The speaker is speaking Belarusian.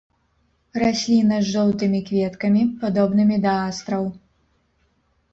Расліна з жоўтымі кветкамі падобнымі да астраў.